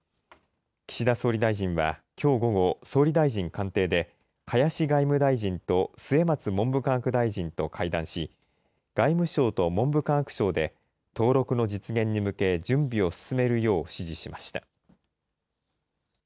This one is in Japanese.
岸田総理大臣はきょう午後、総理大臣官邸で、林外務大臣と末松文部科学大臣と会談し、外務省と文部科学省で、登録の実現に向け、準備を進めるよう指示しました。